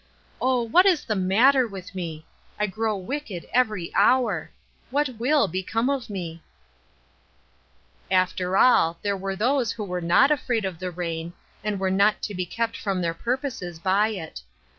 Oh, what is the matter with me ! I grow wicked every hour. What will become of me ?" After all, there were those who were not afraid of the rain, and were not to be kept from their purposes by it.